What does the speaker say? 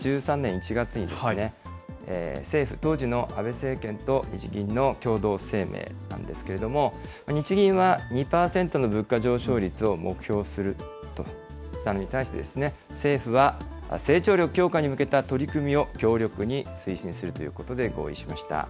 これ、２０１３年１月に、政府、当時の安倍政権と日銀の共同声明なんですけれども、日銀は、２％の物価上昇率を目標とするとしたのに対して、政府は成長力強化に向けた取り組みを強力に推進することで合意しました。